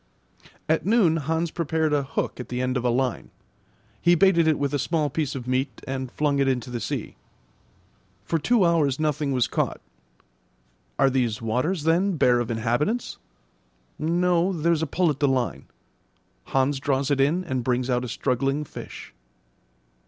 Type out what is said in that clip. At noon Hans prepared a hook at the end of a line. He baited it with a small piece of meat and flung it into the sea. For two hours nothing was caught. Are these waters, then, bare of inhabitants? No, there's a pull at the line. Hans draws it in and brings out a struggling fish.